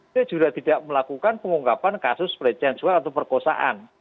dia juga tidak melakukan pengungkapan kasus pelecehan seksual atau perkosaan